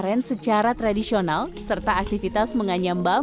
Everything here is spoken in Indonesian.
pembuatan gula aren secara tradisional serta aktivitas menganyambang menjelaskan dan menjelaskan